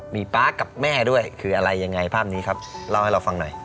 มีป๊ากับแม่ด้วยคืออะไรยังไงภาพนี้ครับเล่าให้เราฟังหน่อย